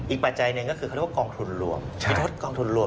อีกปัจจัยหนึ่งก็คือเขาเรียกว่ากองทุนรวม